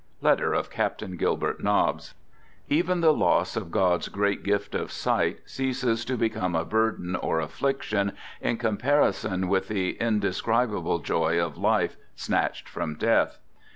{Letter of Captain Gilbert Nobbs) Even the loss of God's great gift of sight ceases to become a burden or affliction in comparison with the indescribable joy of life snatched from death.